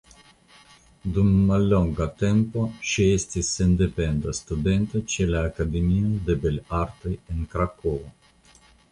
Dum mallonga tempo ŝi estis sendependa studento ĉe la Akademio de Belartoj en Krakovo.